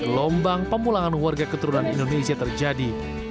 gelombang pemulangan warga keturunan indonesia terjadi